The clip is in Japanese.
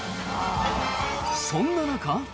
そんな中。